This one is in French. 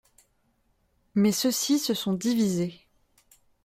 Mais ceux-ci se sont divisés.